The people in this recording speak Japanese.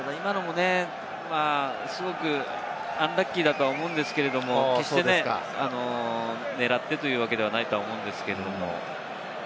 今のも、すごくアンラッキーだと思うんですけれども、決して狙ってというわけではないと思うんですけれども。